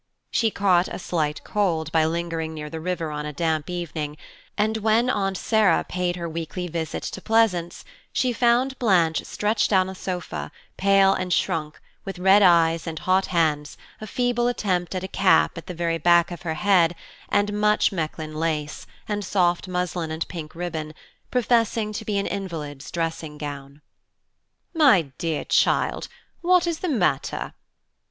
She caught a slight cold by lingering near the river on a damp evening, and when Aunt Sarah paid her weekly visit to Pleasance, she found Blanche stretched on the sofa, pale and shrunk, with red eyes and hot hands, a feeble attempt at a cap at the very back of her head, and much Mechlin lace, and soft muslin and pink ribbon, professing to be an invalid's dressing gown. "My dear child! what is the matter?"